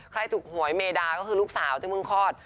ใครถูกหวยเมดาก็คือลูกสาวที่เพิ่งคลอด